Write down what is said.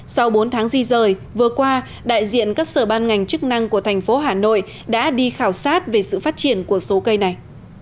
sau bốn tháng di rời vừa qua đại diện các sở ban ngành chức năng của thành phố hà nội đã đi khảo sát về sự phát triển của số cây này